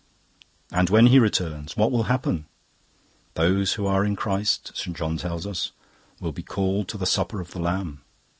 "And when He returns, what will happen? Those who are in Christ, St. John tells us, will be called to the Supper of the Lamb.